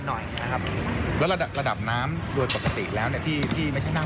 หน่อยนะครับแล้วระดับระดับน้ำโดยปกติแล้วเนี่ยที่ที่ไม่ใช่นั่ง